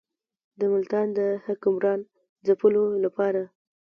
د ملتان د حکمران ځپلو لپاره.